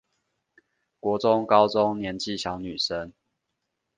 國中高中年紀小女生